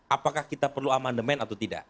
apakah kita perlu amandemen atau tidak